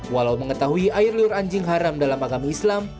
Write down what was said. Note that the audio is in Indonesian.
walau mengetahui air lur anjing haram dalam agama islam